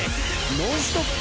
ノンストップ！